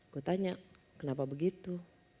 gue tanya kenapa begitu